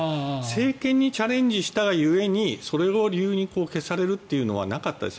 政権にチャレンジしたが故にそれで消されるというのはなかったです。